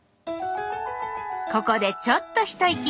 ここでちょっと一息。